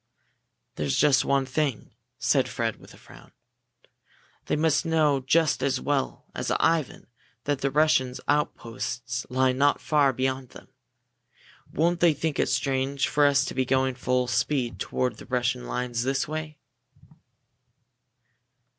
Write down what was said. "There's just one thing," said Fred, with a frown. "They must know just as well as Ivan that the Russian outposts lie not far beyond them. Won't they think it strange for us to be going full speed toward the Russian lines this way?"